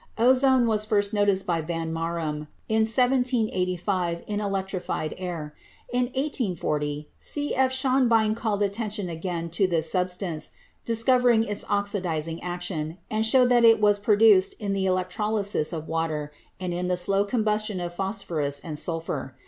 Ozone was first noticel by Van Marum in 1785 MODERN INORGANIC CHEMISTRY 265 in electrified air. In 1840, C. F. Schonbein called attention again to this substance, discovered its oxidizing action, and showed that it was produced in the electrolysis of water and in the slow combustion of phosphorus and sul phur.